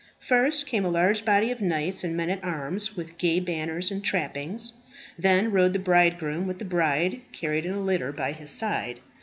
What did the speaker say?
First came a large body of knights and men at arms, with gay banners and trappings. Then rode the bridegroom, with the bride carried in a litter by his side.